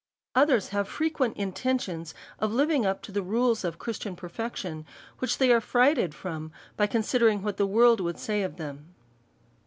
Others have frequent intentions of living up to the rules of Christian perfection, which they are fright ened from, by considering what the world would say of them.